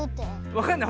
わかんない？